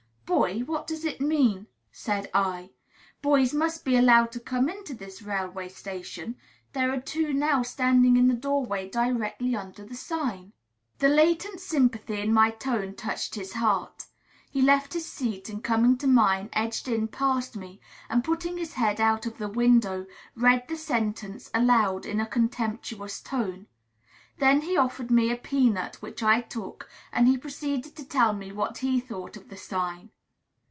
"Boy, what does it mean?" said I. "Boys must be allowed to come into this railway station. There are two now standing in the doorway directly under the sign." The latent sympathy in my tone touched his heart. He left his seat, and, coming to mine, edged in past me; and, putting his head out of the window, read the sentence aloud in a contemptuous tone. Then he offered me a peanut, which I took; and he proceeded to tell me what he thought of the sign.